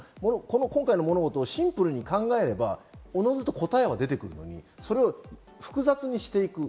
今回の物事をシンプルに考えれば、おのずと答えは出てくるのに、それを複雑にしていく。